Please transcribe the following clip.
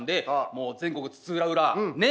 もう全国津々浦々ねえ。